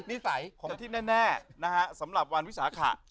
ขอบคุณที่แน่นะฮะสำหรับวันวิสาขะ